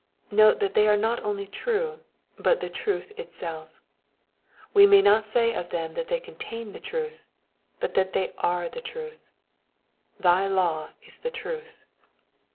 Note, that they are not only true, but the truth itself. We may not say of them that they contain the truth, but that they are the truth: ''thy law is the truth."